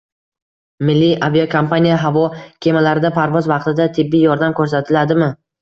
Milliy aviakompaniya havo kemalarida parvoz vaqtida tibbiy yordam ko‘rsatiladimi?